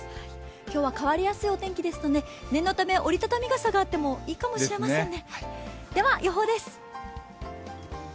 今日は変わりやすいお天気ですので念のため、折りたたみ傘があってもいいかもしれませんね。